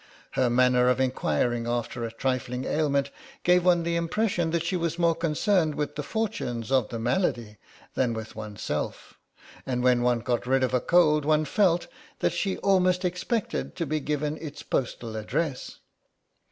Her manner of enquiring after a trifling ailment gave one the impression that she was more concerned with the fortunes of the malady than with oneself, and when one got rid of a cold one felt that she almost expected to be given its postal address.